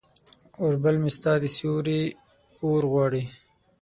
اوربل مې ستا د سیوري اورغواړي